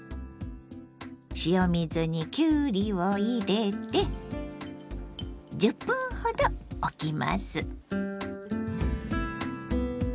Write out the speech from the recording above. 塩水にきゅうりを入れて１０分ほどおきます。